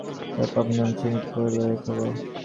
তার পর নুন-চিনি-কাপড়ের লড়াইয়ের খবর।